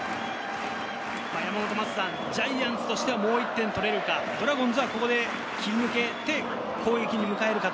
ジャイアンツとしてはもう１点取れるか、ドラゴンズはここで切り抜けて攻撃を迎えられるか。